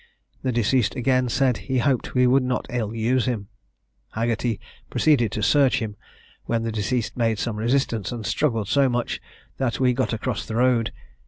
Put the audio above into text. The deceased again said he hoped we would not ill use him. Haggerty proceeded to search him, when the deceased made some resistance, and struggled so much, that we got across the road.